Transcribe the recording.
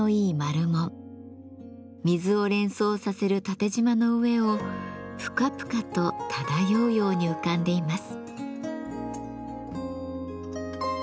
水を連想させる縦じまの上をぷかぷかと漂うように浮かんでいます。